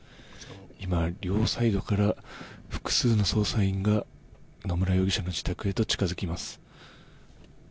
今、両サイドから複数の捜査員が野村容疑者の自宅へと近づきます。